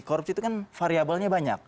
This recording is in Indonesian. korupsi itu kan variabelnya banyak